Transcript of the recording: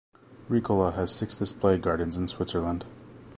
Ricola has six display gardens in Switzerland.